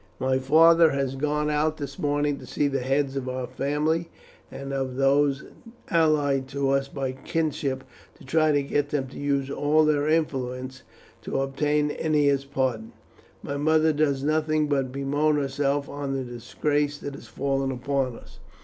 My father has gone out this morning to see the heads of our family and of those allied to us by kinship, to try to get them to use all their influence to obtain Ennia's pardon. My mother does nothing but bemoan herself on the disgrace that has fallen upon us.